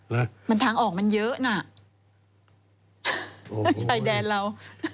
แล้วมันทางออกมันเยอะน่ะชายแดนเรา